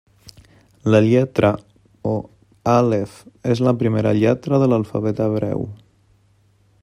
La lletra o àlef és la primera lletra de l'alfabet hebreu.